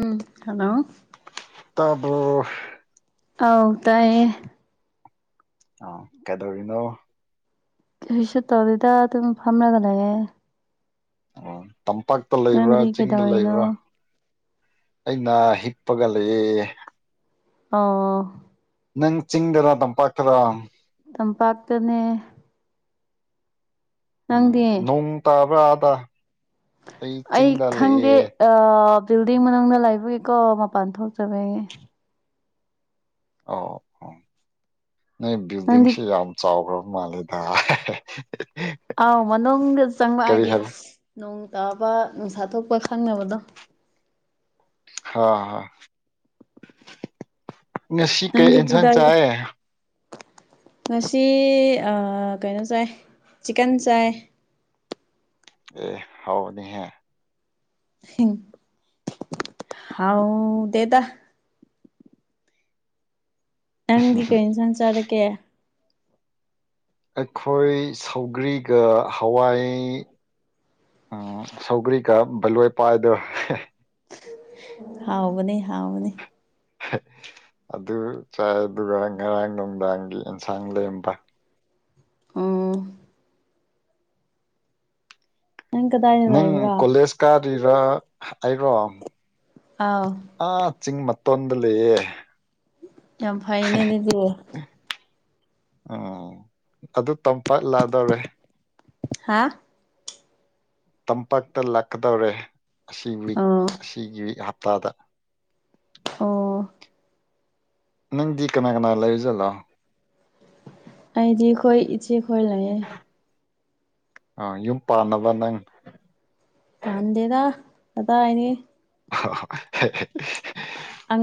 ꯎꯝ hello ꯇꯕ꯭ꯔꯣ ꯑꯧ ꯇꯥꯏꯌꯦ ꯑꯣ ꯀꯩꯗꯧꯔꯤꯅꯣ ꯀꯤꯔꯤꯁꯨ ꯇꯧꯗꯦꯗ ꯑꯗꯨꯝ ꯐꯝꯔꯒ ꯂꯩꯌꯦ ꯇꯝꯄꯥꯛꯇ ꯂꯩꯕ꯭ꯔꯥ ꯅꯪꯗꯤ ꯆꯤꯡꯗ ꯀꯩꯗꯧꯔꯤꯅꯣ ꯂꯩꯕ꯭ꯔꯥ ꯑꯩꯅ ꯍꯤꯞꯄꯒ ꯂꯩꯌꯦ ꯑꯣ ꯅꯪ ꯆꯤꯡꯗꯔ ꯇꯝꯄꯥꯛꯇꯔ ꯇꯝꯄꯥꯛꯇꯅꯦ ꯅꯪꯗꯤ ꯅꯣꯡ ꯇꯥꯕ꯭ꯔꯥ ꯑꯗ ꯑꯩ ꯆꯤꯡꯗ ꯂꯩꯌꯦ ꯑꯥ ꯕꯤꯜꯗꯤꯡ ꯃꯅꯨꯡꯗ ꯂꯩꯕꯒꯤꯀꯣ ꯃꯄꯥꯟ ꯊꯣꯛꯇꯔꯦ ꯑꯣ ꯑꯣ ꯅꯣꯏ ꯅꯪꯗꯤ ꯕꯤꯜꯗꯤꯡꯁꯦ ꯌꯥꯝ ꯆꯥꯎꯈ꯭ꯔꯕ ꯃꯥꯜꯂꯦꯗ ꯑꯥꯎ ꯃꯅꯨꯡꯗ ꯀꯔꯤ ꯆꯪꯂꯡꯑꯗꯤ ꯍꯥꯏꯕ ꯅꯣꯡ ꯇꯥꯕ ꯅꯨꯡꯁꯥ ꯊꯣꯛꯄ ꯈꯪꯅꯕꯗꯣ ꯍꯥꯥ ꯅꯪꯗꯤ ꯀꯤꯗꯥꯏ ꯉꯁꯤ ꯑꯥ ꯀꯩꯅꯣ ꯆꯥꯏ ꯆꯤꯀꯟ ꯆꯥꯏ ꯑꯦ ꯍꯥꯎꯕꯅꯤꯍꯦ ꯍꯥꯎ ꯗꯦꯗ ꯅꯪꯗꯤ ꯀꯩ ꯏꯟꯖꯥꯡ ꯆꯥꯔꯒꯦ ꯑꯩꯈꯣꯏ ꯁꯧꯒ꯭ꯔꯤꯒ ꯍꯋꯥꯏ ꯎꯝ ꯁꯧꯒ꯭ꯔꯤꯒ ꯕꯂꯨꯑꯦꯄꯥꯏꯗꯣ ꯍꯦ ꯍꯥꯎꯕꯅꯦ ꯍꯥꯎꯕꯅꯦ ꯑꯗꯨ ꯆꯥꯏ ꯑꯗꯨꯒ ꯉꯔꯥꯡ ꯅꯨꯡꯗꯥꯡꯒꯤ ꯏꯟꯁꯥꯡ ꯂꯩꯝꯕ ꯑꯥ ꯅꯪ ꯀꯗꯥꯏꯗ ꯅꯪ ꯂꯩꯕ꯭ꯔꯥ ꯀꯣꯂꯦꯖ ꯀꯥꯗꯣꯏꯔꯥ ꯍꯥꯏꯔꯣ ꯑꯧ ꯑꯥ ꯆꯤꯡ ꯃꯇꯣꯟꯗ ꯂꯩꯌꯦ ꯌꯥꯝ ꯐꯩꯅꯦ ꯑꯗꯨꯗꯤ ꯎꯝ ꯑꯗꯨ ꯇꯝꯄꯥꯛ ꯂꯥꯗꯧꯔꯦ ꯍꯥ ꯇꯝꯄꯥꯛꯇ ꯂꯥꯛꯀꯗꯧꯔꯦ ꯑꯁꯤ ꯋꯤꯛ ꯑꯥ ꯑꯁꯤꯒꯤ ꯍꯞꯇꯥꯗ ꯑꯣ ꯅꯪꯗꯤ ꯀꯅꯥ ꯀꯅꯥ ꯂꯩꯕꯖꯠꯂꯣ ꯑꯩꯗꯤ ꯈꯣꯏ ꯏꯆꯦꯈꯣꯏ ꯂꯩꯌꯦ ꯑꯥ ꯌꯨꯝ ꯄꯥꯟꯅꯕ ꯅꯪ ꯄꯥꯟꯗꯦꯗ ꯀꯗꯥꯏꯗꯩ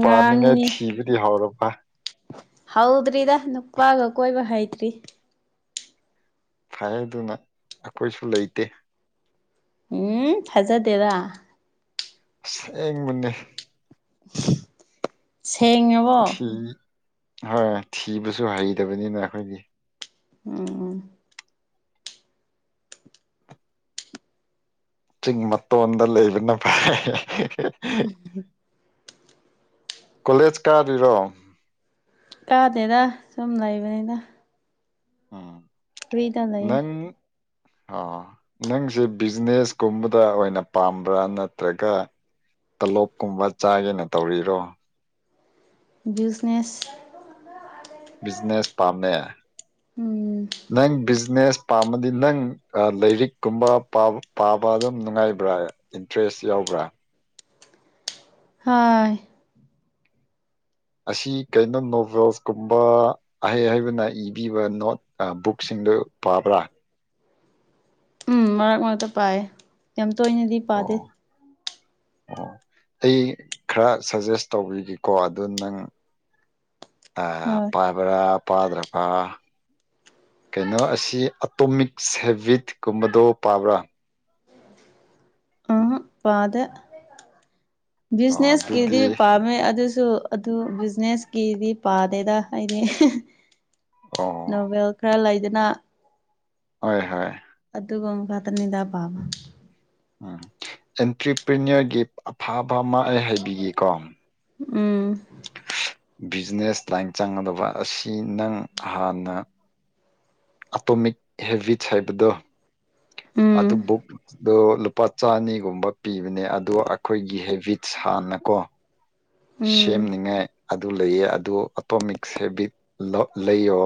ꯄꯥꯅꯤꯡꯉꯥꯏ ꯊꯤꯕꯗꯤ ꯍꯧꯔꯕ ꯍꯧꯗ꯭ꯔꯤꯗ ꯅꯨꯄꯥꯒ ꯀꯣꯏꯕ ꯍꯩꯇ꯭ꯔꯤ ꯐꯩ ꯑꯗꯨꯅ ꯑꯈꯣꯏꯁꯨ ꯂꯩꯇꯦ ꯎꯝ ꯊꯥꯖꯗꯦꯗ ꯑꯁꯦꯡꯕꯅꯦ ꯁꯦꯡꯉꯕꯣ ꯊꯤ ꯍꯣꯏ ꯊꯤꯕꯁꯨ ꯍꯩꯇꯕꯅꯤꯅ ꯑꯩꯈꯣꯏꯒꯤ ꯎꯝ ꯎꯝ ꯆꯤꯡ ꯃꯠꯇꯣꯗ ꯂꯩꯕꯟꯅ ꯄꯩ ꯀꯣꯂꯦꯖ ꯀꯥꯗꯧꯏꯔꯣ ꯀꯥꯗꯦꯗ ꯁꯨꯝ ꯂꯩꯕꯅꯤꯗ ꯎꯝ ꯐ꯭ꯔꯤꯗ ꯂꯩꯌꯦ ꯅꯪ ꯑꯣ ꯅꯪꯁꯦ ꯕꯤꯖꯤꯅꯦꯁꯀꯨꯝꯕꯗ ꯑꯣꯏꯅ ꯄꯥꯝꯕ꯭ꯔꯥ ꯅꯠꯇ꯭ꯔꯒ ꯇꯣꯂꯣꯞꯀꯨꯝꯕ ꯆꯥꯒꯦꯅ ꯇꯧꯔꯤꯔꯣ ꯕꯤꯖꯤꯅꯦꯁ ꯕꯤꯖꯤꯅꯦꯁ ꯄꯥꯝꯃꯦ ꯎꯝ ꯅꯪ ꯕꯤꯖꯤꯅꯦꯁ ꯄꯥꯝꯃꯗꯤ ꯅꯪ ꯑ ꯂꯥꯏꯔꯤꯛꯀꯨꯝꯕ ꯄꯥꯕ ꯑꯗꯨꯝ ꯅꯨꯡꯉꯥꯏꯕ꯭ꯔꯥ ꯏꯟꯇꯔꯦꯁ ꯌꯥꯎꯕ꯭ꯔꯥ ꯑꯥ ꯑꯁꯤ ꯀꯩꯅꯣ ꯅꯣꯕꯦꯜꯁꯀꯨꯝꯕ ꯑꯍꯩ ꯍꯍꯩꯕꯅ ꯏꯕꯤꯕ ꯅꯣꯠ ꯕꯨꯛꯁꯤꯡꯗꯨ ꯄꯥꯕ꯭ꯔꯥ ꯎꯝ ꯃꯔꯛ ꯃꯔꯛꯇ ꯄꯥꯏꯌꯦ ꯌꯥꯝ ꯇꯣꯏꯅꯗꯤ ꯄꯥꯗꯦ ꯑꯣ ꯑꯣ ꯑꯩ ꯈꯔ ꯁꯖꯦꯁ ꯇꯧꯕꯤꯒꯦꯀꯣ ꯑꯗꯨ ꯅꯪ ꯑꯥ ꯍꯣꯏ ꯄꯥꯕꯔꯥ ꯄꯥꯗ꯭ꯔꯄꯥ ꯀꯩꯅꯣ ꯑꯁꯤ ꯑꯇꯣꯃꯤꯛꯁ ꯍꯦꯕꯤꯠꯀꯨꯝꯕꯗꯣ ꯄꯥꯕ꯭ꯔꯥ ꯑ ꯄꯥꯗꯦ ꯑꯣ ꯕꯤꯖꯤꯅꯦꯁꯀꯤꯗꯤ ꯑꯗꯨꯗꯤ ꯄꯥꯝꯃꯦ ꯑꯗꯨꯁꯨ ꯑꯗꯨ ꯕꯤꯖꯤꯅꯦꯁꯀꯤꯗꯤ ꯄꯥꯗꯦꯗ ꯍꯥꯏꯗꯤ ꯑꯣ ꯅꯣꯚꯦꯜ ꯈꯔ ꯂꯩꯗꯅ ꯍꯣꯏ ꯍꯣꯏ ꯑꯗꯨꯒꯨꯝꯕ ꯐꯇꯅꯤꯗ ꯄꯥꯕ ꯎꯝ ꯑꯦꯟꯇ꯭ꯔꯄ꯭ꯔꯤꯅꯔꯒꯤ ꯑꯐꯕ ꯑꯃ ꯑꯩ ꯍꯥꯏꯕꯤꯒꯦꯀꯣ ꯎꯝ ꯕꯤꯖꯤꯅꯦꯁ ꯂꯥꯏꯟ ꯆꯪꯒꯗꯕ ꯑꯁꯤ ꯅꯪ ꯍꯥꯟꯅ ꯑꯇꯣꯃꯤꯛ ꯍꯦꯕꯤꯠꯁ ꯍꯥꯏꯕꯗꯣ ꯎꯝ ꯑꯗꯨ ꯕꯨꯛ ꯇꯣ ꯂꯨꯄꯥ ꯆꯅꯤꯒꯨꯝꯕ ꯄꯤꯕꯅꯦ ꯑꯗꯣ ꯑꯩꯈꯣꯏꯒꯤ ꯍꯦꯕꯤꯠ ꯍꯥꯟꯅꯀꯣ ꯎꯝ ꯁꯦꯝꯅꯤꯡꯉꯥꯏ ꯑꯗꯨ ꯂꯩꯌꯦ ꯑꯗꯨ ꯑꯣꯇꯣꯃꯤꯛꯁ ꯍꯦꯕꯤꯠ ꯂꯩꯌꯣ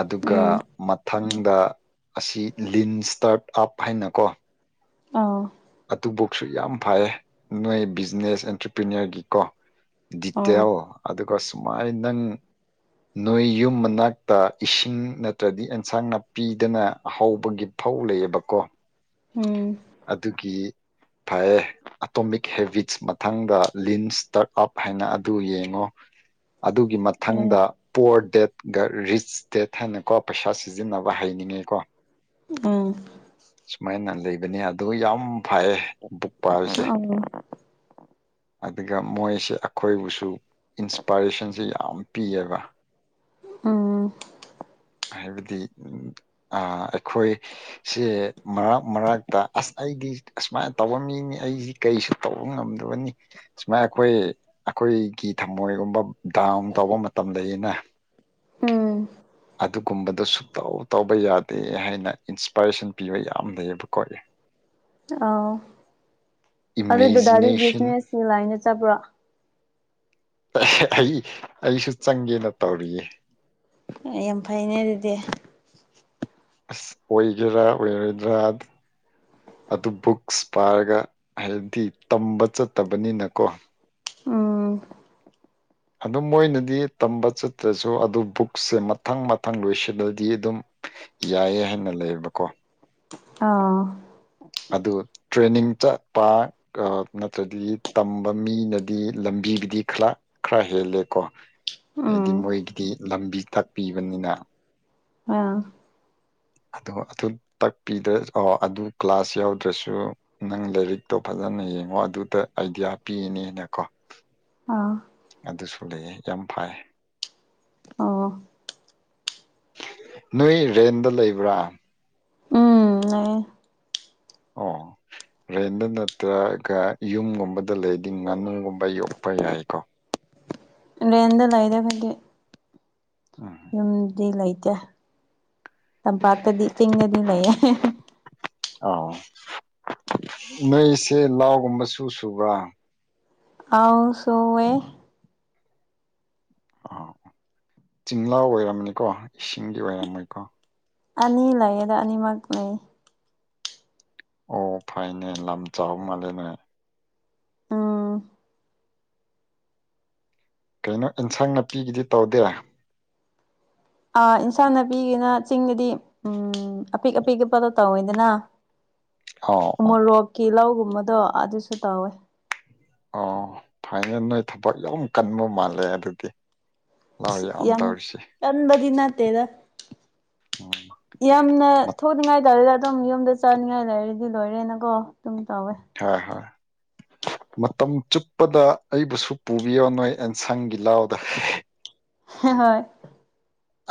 ꯑꯗꯨꯒ ꯎꯝ ꯃꯊꯪꯗ ꯑꯁꯤ ꯂꯤꯟ ꯁ꯭ꯇꯥꯔꯠ ꯑꯞ ꯍꯥꯏꯅꯀꯣ ꯑꯎ ꯑꯗꯨ ꯕꯨꯛꯁꯨ ꯌꯥꯝ ꯐꯩꯌꯦ ꯅꯣꯏ ꯕꯤꯖꯤꯅꯦꯁ ꯑꯦꯟꯇꯔꯄ꯭ꯔꯤꯅꯔꯒꯤꯀꯣ ꯑꯥꯎ ꯗꯤꯇꯦꯜ ꯑꯗꯨꯒ ꯁꯨꯃꯥꯏ ꯅꯪ ꯅꯣꯏ ꯌꯨꯝ ꯃꯅꯥꯛꯇ ꯏꯁꯤꯡ ꯅꯠꯇ꯭ꯔꯗꯤ ꯑꯦꯟꯁꯥꯡ ꯅꯥꯄꯤꯗꯅ ꯑ ꯍꯥꯎꯧꯕꯒꯤ ꯐꯧ ꯂꯩꯌꯦꯕꯀꯣ ꯎꯝ ꯑꯗꯨꯒꯤ ꯐꯌꯦ ꯑꯇꯣꯃꯤꯛ ꯍꯦꯕꯤꯠꯁ ꯃꯊꯪꯗ ꯂꯤꯟꯁ ꯏꯇꯔ ꯑꯞ ꯍꯥꯏꯅ ꯑꯗꯨ ꯌꯦꯡꯉꯣ ꯑꯗꯨꯒꯤ ꯎꯝ ꯃꯊꯪꯗ ꯄꯣꯔ ꯗꯦꯠꯒ ꯔꯤꯆ ꯗꯦꯠ ꯍꯥꯏꯅꯀꯣ ꯄꯩꯁꯥ ꯁꯤꯖꯤꯟꯅꯕ ꯍꯥꯏꯅꯤꯡꯉꯥꯏ ꯀꯣ ꯎꯝ ꯁꯨꯃꯥꯢꯅ ꯂꯩꯕꯅꯤ ꯑꯗꯨ ꯌꯥꯝ ꯐꯩꯌꯦ ꯕꯨꯛ ꯄꯥꯢꯕꯁꯦ [inaudible] ꯑꯗꯨꯒ ꯃꯣꯢꯁꯦ ꯑꯩꯈꯣꯢꯕꯨꯁꯨ ꯏꯟꯁꯄꯔꯦꯁꯟꯁꯦ ꯌꯥꯝ ꯄꯤꯌꯦꯕ ꯎꯝ ꯍꯥꯢꯕꯗꯤ ꯑꯥ ꯑꯩꯈꯣꯢꯁꯦ ꯃꯔꯛ ꯃꯔꯥꯛꯇ ꯑꯁ ꯑꯩꯗꯤ ꯑꯁꯨꯃꯥꯢꯅ ꯇꯧꯕ ꯃꯤꯅꯤ ꯑꯩꯁꯤ ꯀꯔꯤꯁꯨ ꯇꯧꯕ ꯉꯝꯗꯕꯅꯤ ꯁꯨꯃꯥꯏ ꯑꯩꯈꯣꯢ ꯑꯩꯈꯣꯢꯒꯤ ꯊꯝꯃꯣꯢꯒꯨꯝꯕ ꯗꯥꯎꯟ ꯇꯧꯕ ꯃꯇꯝꯗꯒꯤꯅ ꯎꯝ ꯑꯗꯨꯒꯨꯝꯕꯗꯨ ꯁꯨꯛꯇꯧ ꯇꯧꯕ ꯌꯥꯗꯦ ꯍꯥꯢꯅ ꯏꯟꯁꯄꯔꯦꯁꯟ ꯄꯤꯕ ꯌꯥꯝ ꯂꯩꯌꯦꯕꯀꯣ ꯑꯥꯎ ꯑꯗꯨ ꯗꯗꯥꯗꯤ ꯏꯃꯦꯖꯤꯅꯦꯁꯟ ꯕꯤꯖꯤꯅꯦꯁꯀꯤ ꯂꯥꯢꯟꯗ ꯆꯠꯄ꯭ꯔꯣ ꯑꯩ ꯑꯩꯁꯨ ꯆꯪꯒꯦꯅ ꯇꯧꯔꯤꯌꯦ ꯌꯥꯝ ꯐꯩꯅꯦ ꯑꯗꯨꯗꯤ ꯑꯁ ꯑꯣꯏꯒꯦꯔꯥ ꯑꯣꯏꯔꯣꯏꯗ꯭ꯔꯥ ꯑꯗꯨ ꯕꯨꯛꯁ ꯄꯥꯔꯒ ꯍꯥꯏꯕꯗꯤ ꯇꯝꯕ ꯆꯠꯇꯕꯅꯤꯅꯀꯣ ꯎꯝ ꯑꯗꯨꯝ ꯃꯣꯏꯅꯗꯤ ꯇꯝꯕ ꯆꯠꯇ꯭ꯔꯁꯨ ꯑꯗꯨ ꯕꯨꯛꯁꯦ ꯃꯊꯪ ꯃꯊꯪ ꯂꯣꯏꯁꯤꯜꯂꯗꯤ ꯑꯗꯨꯝ ꯌꯥꯏꯌꯦ ꯍꯥꯏꯅ ꯂꯩꯌꯦꯕꯀꯣ ꯑꯥ ꯑꯗꯨ ꯇ꯭ꯔꯦꯅꯤꯡ ꯆꯠꯄ ꯅꯠꯇ꯭ꯔꯗꯤ ꯇꯝꯕ ꯃꯤꯅꯗꯤ ꯂꯝꯕꯤꯕꯨꯗꯤ ꯈꯔ ꯈꯔ ꯍꯦꯜꯂꯦꯀꯣ ꯍꯥꯢꯗꯤ ꯎꯝ ꯃꯣꯢꯒꯤꯗꯤ ꯂꯝꯕꯤ ꯇꯥꯛꯄꯤꯕꯅꯤꯅ ꯑꯥ ꯑꯗꯣ ꯑꯗꯨ ꯇꯥꯛꯄꯤꯗ꯭ꯔ ꯑꯣ ꯑꯗꯨ ꯀ꯭ꯂꯥꯁ ꯌꯥꯎꯗ꯭ꯔꯁꯨ ꯅꯪ ꯂꯥꯢꯔꯤꯛꯇꯣ ꯐꯖꯅ ꯌꯦꯡꯉꯣ ꯑꯗꯨꯗ ꯑꯥꯢꯗꯤꯌꯥ ꯄꯤꯅꯤꯅꯀꯣ ꯑꯥ ꯑꯗꯨꯁꯨ ꯂꯩꯌꯦ ꯌꯥꯝ ꯐꯩ ꯑꯣ ꯅꯣꯢ ꯔꯦꯟꯗ ꯂꯩꯕ꯭ꯔꯥ ꯅꯩ ꯑꯣ [inaudible] ꯔꯦꯟꯗ ꯅꯠꯇ꯭ꯔꯒ ꯌꯨꯝꯒꯨꯝꯕꯗ ꯂꯩꯗꯤ ꯉꯥꯅꯨꯒꯨꯝꯕ ꯌꯣꯛꯄ ꯌꯥꯢꯀꯣ ꯔꯦꯟꯗ ꯂꯩꯔꯒꯗꯤ ꯑꯝ ꯌꯨꯝꯗꯤ ꯂꯩꯇꯦ ꯇꯝꯄꯥꯛꯇꯗꯤ ꯆꯤꯡꯗꯗꯤ ꯂꯩꯌꯦ ꯑꯣ ꯅꯣꯢꯁꯦ ꯂꯥꯎꯒꯨꯝꯕꯁꯨ ꯁꯨꯕ꯭ꯔꯥ ꯑꯥꯎ ꯁꯨꯋꯦ ꯑꯥ ꯆꯤꯡꯂꯧ ꯑꯣꯢꯔꯝꯅꯤꯀꯣ ꯏꯁꯤꯡꯒꯤ ꯑꯣꯢꯔꯝꯃꯣꯢꯀꯣ ꯑꯅꯤ ꯂꯩꯌꯦꯗ ꯑꯅꯤꯃꯛ ꯂꯩ ꯑꯣ ꯐꯩꯅꯦ ꯂꯝ ꯆꯥꯎꯕ ꯃꯥꯜꯂꯦꯅꯦ ꯎꯝ ꯀꯩꯅꯣ ꯏꯟꯁꯪ ꯅꯥꯄꯤꯒꯤꯗꯤ ꯇꯧꯗꯦ ꯑꯥ ꯏꯟꯁꯥꯡ ꯅꯥꯄꯤꯒꯤꯅ ꯆꯤꯡꯗꯗꯤ ꯎꯝ ꯑꯄꯤꯛ ꯑꯄꯤꯛ ꯄꯗꯣ ꯇꯧꯋꯦꯗꯅ ꯑꯥꯎ ꯑꯥꯎ ꯃꯣꯔꯣꯛꯀꯤ ꯂꯧꯒꯨꯝꯕꯗꯣ ꯑꯗꯨꯁꯨ ꯇꯧꯋꯦ ꯑꯣ ꯐꯥꯏꯅꯦꯜ ꯅꯣꯢ ꯊꯕꯛ ꯌꯥꯝ ꯀꯟꯕ ꯃꯥꯜꯂꯦ ꯑꯗꯨꯗꯤ ꯂꯧ ꯌꯥꯝ ꯇꯧꯔꯤꯁꯤ ꯇꯟꯕꯗꯤ ꯅꯠꯇꯦꯗ ꯎꯝ ꯌꯥꯝꯅ ꯃꯠ ꯊꯣꯛꯅꯤꯡꯉꯥꯢ ꯇꯥꯜꯂꯥ ꯑꯗꯨꯝ ꯌꯨꯝꯗ ꯆꯥꯅꯤꯡꯉꯥꯢ ꯂꯩꯔꯗꯤ ꯂꯣꯢꯔꯦꯅꯀꯣ ꯑꯗꯨꯝ ꯇꯧꯋꯦ ꯍꯣꯢ ꯍꯣꯢ ꯃꯇꯝ ꯆꯨꯞꯄꯗ ꯑꯩꯕꯨꯁꯨ ꯄꯨꯕꯤꯌꯣ ꯅꯣꯢ ꯑꯦꯟꯁꯥꯡꯒꯤ ꯂꯧꯗꯥ ꯍꯣꯢ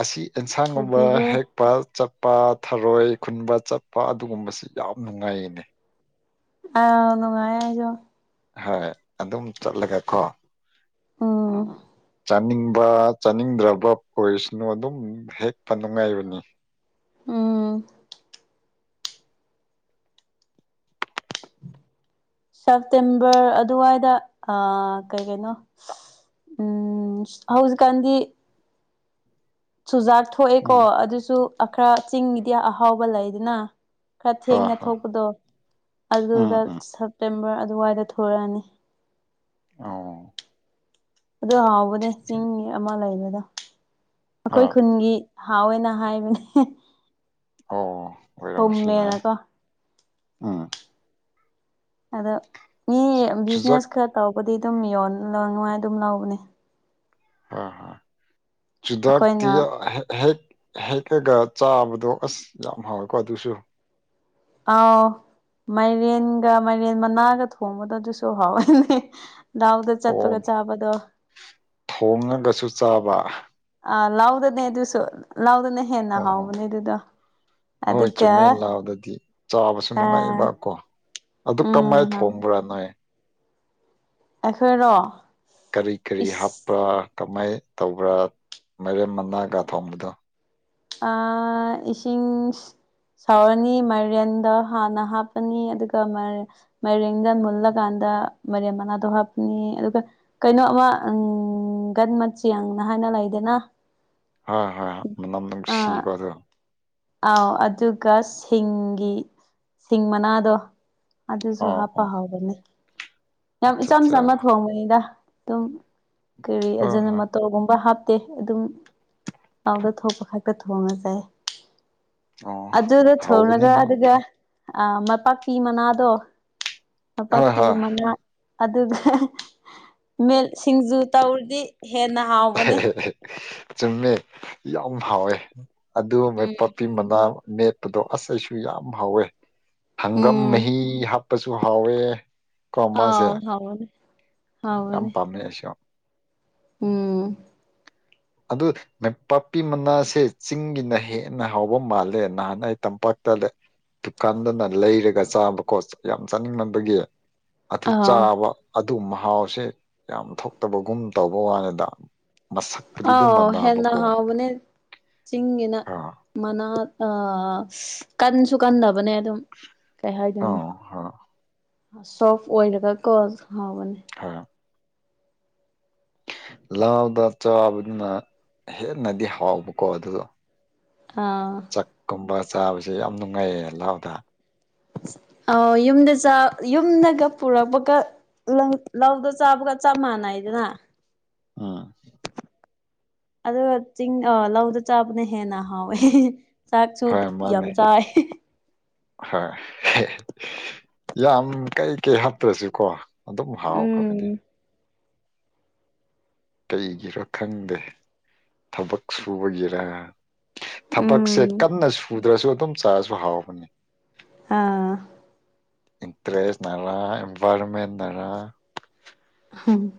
ꯑꯁꯤ ꯑꯦꯟꯁꯥꯡꯒꯨꯝꯕ ꯍꯦꯛ ꯄꯥꯜ ꯆꯠꯄ ꯊꯔꯣꯢ ꯈꯨꯟꯕ ꯆꯠꯄ ꯑꯗꯨꯒꯨꯝꯕꯁꯤ ꯌꯥꯝ ꯅꯨꯡꯉꯥꯢꯌꯦꯅꯦ ꯑꯧ ꯅꯨꯡꯉꯥꯢꯌꯦ ꯑꯩꯁꯨ ꯍꯣꯢ ꯑꯗꯨꯝ ꯆꯠꯂꯒ ꯀꯣ ꯎꯝ ꯆꯥꯅꯤꯡꯕ ꯆꯥꯅꯤꯡꯗ꯭ꯔꯥꯕ ꯑꯣꯢꯁꯅꯨ ꯑꯗꯨꯝ ꯍꯦꯛꯄ ꯅꯨꯡꯉꯥꯢꯕꯅꯤ ꯎꯝ ꯁꯦꯞꯇꯦꯝꯕꯔ ꯑꯗꯨꯋꯥꯢꯗ ꯑꯥ ꯀꯩ ꯀꯩꯅꯣ ꯎꯝ ꯍꯧꯖꯤꯛꯀꯥꯟꯗꯤ ꯆꯨꯖꯥꯛ ꯊꯣꯛꯑꯦꯀꯣ ꯎꯝ ꯑꯗꯨꯁꯨ ꯑꯥ ꯈꯔ ꯆꯤꯡꯒꯤꯗꯤ ꯑꯍꯥꯎꯕ ꯂꯩꯗꯅ ꯈꯔ ꯍꯣꯏ ꯊꯦꯡꯅ ꯍꯣꯏ ꯊꯣꯛꯄꯗꯣ ꯎꯝ ꯑꯗꯨꯗ ꯎꯝ ꯁꯦꯞꯇꯦꯝꯕꯔ ꯑꯗꯨꯋꯥꯢꯗ ꯊꯣꯔꯛꯑꯅꯤ ꯑꯣ ꯑꯗꯨ ꯍꯥꯎꯕꯅꯦ ꯆꯤꯡꯒꯤ ꯑꯃ ꯂꯩꯕꯗꯣ ꯍꯣꯏ ꯑꯩꯈꯣꯢ ꯈꯨꯟꯒꯤ ꯍꯥꯎꯋꯦꯅ ꯍꯥꯢꯕꯅꯦ ꯑꯣ ꯑꯣꯢꯔꯝꯕꯁꯨ ꯌꯥꯢ ꯍꯨꯝꯃꯦꯅꯀꯣ ꯎꯝ ꯑꯗꯣ ꯃꯤ ꯆꯨꯖꯥꯛ ꯕꯤꯖꯤꯅꯦꯁ ꯈꯔ ꯇꯧꯕꯗꯤ ꯑꯗꯨꯝ ꯌꯣꯟ ꯂꯧꯅꯉꯥꯢ ꯑꯗꯨꯝ ꯂꯧꯕꯅꯦ ꯍꯣꯢ ꯍꯣꯢ ꯆꯨꯗꯥꯛꯇꯤꯌꯣ ꯑꯩꯈꯣꯏꯅ ꯍꯦꯛ ꯍꯦꯛꯑꯒ ꯆꯥꯕꯗꯣ ꯑꯁ ꯌꯥꯝ ꯍꯥꯎꯋꯦꯀꯣ ꯑꯗꯨꯁꯨ ꯑꯥꯎ ꯃꯥꯢꯔꯦꯟꯒ ꯃꯥꯢꯔꯦꯟ ꯃꯅꯥꯒ ꯊꯣꯡꯕꯗꯣ ꯑꯗꯨꯁꯨ ꯍꯥꯎꯋꯤꯅꯦ ꯗꯥꯎꯗ ꯑꯣ ꯊꯣꯡꯉꯒꯁꯨ ꯆꯥꯕ ꯑꯥ ꯂꯧꯗꯅꯦ ꯑꯗꯨꯁꯨ ꯂꯧꯗꯅ ꯍꯦꯟꯅ ꯍꯥꯎꯕꯅꯦ ꯑꯗꯨꯗꯣ ꯍꯣꯢ ꯑꯗꯨꯒ ꯆꯨꯝꯃꯦ ꯂꯧꯗꯗꯤ ꯆꯥꯕꯁꯨ ꯑꯥ ꯅꯨꯡꯉꯥꯢꯕ ꯀꯣ ꯑꯗꯨ ꯀꯃꯥꯢꯟ ꯎꯝ ꯍꯥꯎꯋꯦ ꯊꯣꯡꯕ꯭ꯔꯥ ꯅꯣꯢ ꯑꯩꯈꯣꯢꯔꯣ ꯀꯔꯤ ꯀ꯭ꯔꯤ ꯍꯥꯞꯄ꯭ꯔꯥ ꯀꯃꯥꯢꯅ ꯇꯧꯕ꯭ꯔꯥ ꯃꯥꯢꯔꯦꯝ ꯃꯅꯥꯒ ꯊꯣꯡꯕꯗꯣ ꯑꯥ ꯏꯁꯤꯡ ꯁꯧꯔꯅꯤ ꯃꯥꯢꯔꯦꯟꯗꯣ ꯍꯥꯟꯅ ꯍꯥꯞꯄꯅꯤ ꯑꯗꯨꯒ ꯃꯥꯏ ꯃꯥꯢꯔꯦꯡꯗꯣ ꯃꯨꯜꯂꯀꯥꯟꯗ ꯃꯥꯏꯔꯦꯝ ꯃꯅꯥꯗꯣ ꯍꯥꯞꯄꯅꯤ ꯑꯗꯨꯒ ꯀꯩꯅꯣ ꯑꯃ ꯒꯟ ꯃꯆꯦꯡꯅ ꯍꯥꯢꯅ ꯂꯩꯗꯅ ꯍꯣꯢ ꯍꯣꯢ ꯃꯅꯝ ꯑꯥ ꯅꯨꯡꯁꯤꯕꯗꯣ ꯑꯥꯎ ꯑꯗꯨꯒ ꯁꯤꯡꯒꯤ ꯁꯤꯡ ꯃꯅꯥꯗꯣ ꯑꯗꯨꯁꯨ ꯑꯣ ꯍꯥꯞꯄ ꯑꯣ ꯍꯥꯎꯕꯅꯦ ꯌꯥꯝ ꯑꯠꯆꯥ ꯏꯆꯝ ꯑꯠꯆꯥ ꯆꯝꯃ ꯊꯣꯡꯕ ꯅꯤꯗ ꯑꯗꯨꯝ ꯀꯔꯤ ꯍꯣꯏ ꯍꯣꯏ ꯑꯖꯤꯅꯃꯣꯇꯣꯔꯒꯨꯝꯕ ꯍꯥꯞ ꯇꯦ ꯑꯗꯨꯝ ꯂꯧꯗ ꯊꯣꯛꯄ ꯈꯛꯇ ꯊꯣꯡꯉꯥ ꯆꯥꯢꯌꯦ ꯑꯣ ꯑꯗꯨꯗꯣ ꯍꯥꯎꯕꯅꯦ ꯊꯣꯡꯔꯒ ꯑꯗꯣ ꯑꯗꯨꯒ ꯃꯥꯄꯥꯛꯄꯤ ꯃꯅꯥꯗꯣ ꯍꯣꯏ ꯃꯥꯄꯥꯛꯄꯤ ꯃꯅꯥ ꯑꯗꯨꯒ ꯃꯦꯠ ꯁꯤꯡꯖꯨ ꯇꯧꯔꯗꯤ ꯍꯦꯟꯅ ꯍꯥꯎ ꯆꯨꯝꯃꯦ ꯌꯥꯝ ꯍꯥꯎꯋꯦ ꯑꯗꯨ ꯎꯝ ꯃꯥꯢꯄꯥꯛꯄꯤ ꯃꯅꯥ ꯃꯦꯠꯄꯗꯣ ꯑꯁ ꯑꯩꯁꯨ ꯌꯥꯝ ꯍꯥꯎꯋꯦ ꯍꯪꯒꯥꯝ ꯎꯝ ꯃꯍꯤ ꯍꯥꯞꯄꯖꯨ ꯍꯥꯎꯋꯦ ꯀꯣ ꯃꯥꯖꯦ ꯑꯥꯎ ꯍꯥꯎꯕꯅꯦ ꯌꯥꯝ ꯍꯥꯎꯕꯅꯦ ꯄꯥꯝꯃꯦ ꯑꯩꯁꯨ ꯎꯝ ꯑꯗꯨ ꯃꯥꯢꯄꯥꯛꯄꯤ ꯃꯅꯥꯁꯦ ꯆꯤꯡꯒꯤꯅ ꯍꯦꯟꯅ ꯍꯥꯎꯕ ꯃꯥꯜꯂꯦ ꯅꯍꯥꯟ ꯑꯩ ꯇꯝꯄꯥꯛꯇ ꯂꯩ ꯗꯨꯀꯥꯟꯗꯅ ꯂꯩꯔꯒ ꯆꯥꯕꯀꯣ ꯌꯥꯝ ꯆꯥꯅꯤꯡꯃꯟꯕꯒꯤ ꯑꯗꯨ ꯑꯥꯎ ꯆꯥꯕ ꯑꯗꯨ ꯃꯍꯥꯎꯁꯦ ꯌꯥꯝ ꯊꯣꯛꯇꯕꯒꯨꯝ ꯇꯧꯕ ꯋꯥꯅꯤꯗ ꯃꯁꯛ ꯑꯥꯎ ꯍꯦꯟꯅ ꯍꯥꯎꯕꯅꯦ ꯆꯤꯡꯒꯤꯅ ꯑꯥ ꯃꯥꯅꯥꯠ ꯑꯥ ꯀꯟꯁꯨ ꯀꯟꯗꯕꯅꯦ ꯑꯗꯨꯝ ꯀꯩ ꯑꯥ ꯍꯥꯢꯗꯣꯢꯅꯣ ꯑꯥ ꯁꯣꯐ ꯑꯣꯏꯔꯒꯀꯣ ꯍꯥꯎꯕꯅꯦ ꯍꯥ ꯂꯥꯎꯗ ꯆꯥꯕꯗꯨꯅ ꯍꯦꯟꯅꯗꯤ ꯍꯥꯎꯕꯀꯣ ꯑꯗꯨꯗꯣ ꯑꯥ ꯆꯥꯛꯀꯨꯝꯕ ꯆꯥꯕꯖꯦ ꯌꯥꯝ ꯅꯨꯡꯉꯥꯢꯌꯦ ꯂꯥꯗ ꯑꯧ ꯌꯨꯝꯗ ꯆꯥꯛ ꯌꯨꯝꯗꯒ ꯄꯨꯔꯛꯄꯀꯥꯟ ꯂꯧ ꯂꯧꯗ ꯆꯥꯕꯒ ꯆꯞ ꯃꯥꯟꯅꯩꯗꯅ ꯑꯥ ꯑꯗꯨꯒ ꯆꯤꯡ ꯑꯥ ꯂꯧꯗ ꯆꯥꯕꯅ ꯍꯦꯟꯅ ꯍꯥꯎꯋꯦ ꯆꯥꯛꯁꯨ ꯌꯥꯝ ꯆꯥꯢ ꯍꯣꯢ ꯌꯥꯝ ꯀꯩ ꯀꯩ ꯍꯥꯞꯇ꯭ꯔꯁꯨꯀꯣ ꯑꯗꯨꯝ ꯍꯥꯎꯈ꯭ꯔꯕꯅꯦ ꯎꯝ ꯀꯩꯒꯤꯔꯣ ꯈꯪꯗꯦ ꯊꯕꯛ ꯁꯨꯕꯒꯤꯔ ꯊꯕꯛꯁꯦ ꯎꯝ ꯀꯟꯅ ꯁꯨꯗ꯭ꯔꯁꯨ ꯑꯗꯨꯝ ꯆꯥꯔꯁꯨ ꯍꯥꯎꯕꯅꯦ ꯑꯥ ꯏꯟꯇ꯭ꯔꯦꯁꯅꯔ ꯏꯟꯚꯥꯢꯔꯟꯃꯦꯟꯅꯔ ꯍꯨꯝ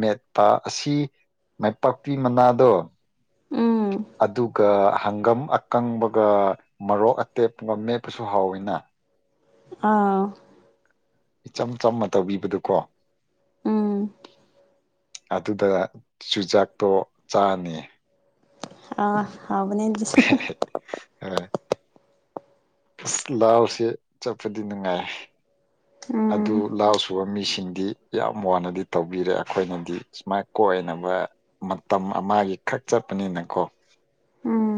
ꯃꯦꯠꯄ ꯑꯁꯤ ꯃꯥꯢꯄꯥꯛꯄꯤ ꯃꯅꯥꯗꯣ ꯎꯝ ꯑꯗꯨꯒ ꯍꯪꯒꯥꯝ ꯑꯥ ꯀꯪꯕꯒ ꯃꯔꯣꯛ ꯑꯇꯦꯛꯄꯒ ꯃꯦꯞꯄꯁꯨ ꯍꯥꯎꯋꯤꯅ ꯑꯥꯎ ꯏꯆꯝ ꯆꯝꯃ ꯇꯧꯕꯤꯕꯗꯨꯀꯣ ꯎꯝ ꯑꯗꯨꯗ ꯆꯨꯖꯥꯛꯇꯣ ꯆꯥꯅꯤ ꯑꯥ ꯍꯥꯎꯕꯅꯦ ꯑꯗꯨꯁꯨ ꯑꯥ ꯑꯁ ꯂꯧꯁꯦ ꯆꯠꯄꯗꯤ ꯅꯨꯡꯉꯥꯢ ꯎꯝ ꯑꯗꯨ ꯂꯧ ꯁꯨꯕ ꯃꯤꯁꯤꯡꯗꯤ ꯌꯥꯝ ꯋꯥꯅꯗꯤ ꯇꯧꯕꯤꯔꯦ ꯑꯈꯣꯢꯅꯗꯤ ꯁꯨꯃꯥꯢ ꯀꯣꯢꯅꯕ ꯃꯇꯝ ꯑꯃꯒꯤꯈꯛ ꯆꯠꯄꯅꯤꯅꯀꯣ ꯎꯝ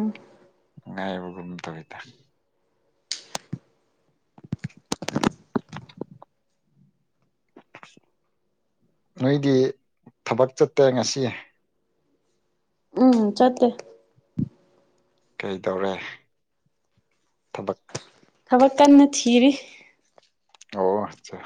ꯉꯥꯢꯕꯒꯨꯝ ꯇꯧꯋꯤꯗ [inaudible] ꯅꯣꯢꯗꯤ ꯊꯕꯛ ꯆꯠꯇꯦ ꯉꯁꯤ ꯎꯝ ꯆꯠꯇꯦ ꯀꯩ ꯇꯧꯔꯦ ꯊꯕꯛ ꯊꯕꯛ ꯀꯟꯅ ꯊꯤꯔꯤ ꯑꯣ ꯑꯠꯆꯥ